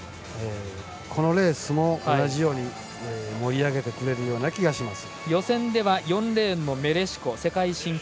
このレースも同じように盛り上げてくれるような気がします。